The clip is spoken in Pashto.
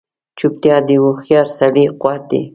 چوپتیا، د هوښیار سړي قوت دی.